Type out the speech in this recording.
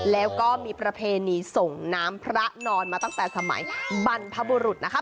แล้วก็มีประเพณีส่งน้ำพระนอนมาตั้งแต่สมัยบรรพบุรุษนะคะ